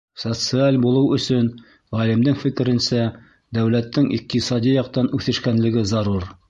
Социаль булыу өсөн, ғалимдың фекеренсә, дәүләттең иҡтисади яҡтан үҫешкәнлеге зарур.